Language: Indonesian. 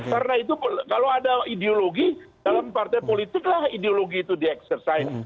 karena itu kalau ada ideologi dalam partai politiklah ideologi itu dieksersai